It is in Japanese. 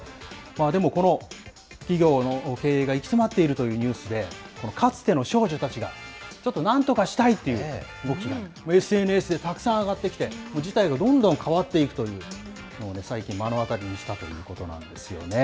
でもこの企業の経営が行き詰まっているというニュースで、このかつての少女たちが、ちょっとなんとかしたいっていう動きが、ＳＮＳでたくさん上がってきて、事態がどんどん変わっていくという、最近、目の当たりにしたということなんですよね。